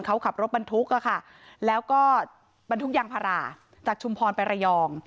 เขาขับรถบรรทุกค่ะแล้วก็บรรทุกยางพาราจากชุมพรไประยอง